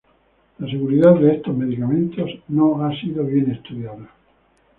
La seguridad de estos medicamentos no ha sido bien estudiada.